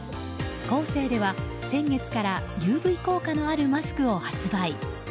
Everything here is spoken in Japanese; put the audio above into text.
コーセーでは先月からＵＶ効果のあるマスクを発売。